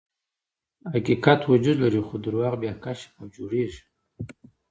حقیقت وجود لري، خو درواغ بیا کشف او جوړیږي.